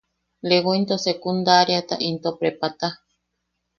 Lego into secundariata into prepata.